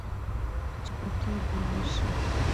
چې په کور دى ورشه.